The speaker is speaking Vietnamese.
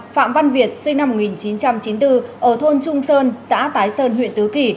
phạm văn việt sinh năm một nghìn chín trăm chín mươi bốn ở thôn trung sơn xã tái sơn huyện tứ kỳ